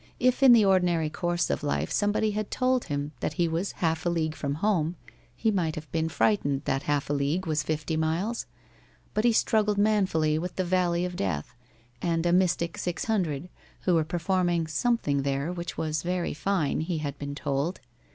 If in the ordinary course of life somebody had told him that he was half a league from home, he might have been frightened that half a league was fifty miles; but he struggled manfully with the valley of death and a mystic six hundred, who were performing something there which was very fine, he had been told.